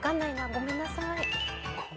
ごめんなさい。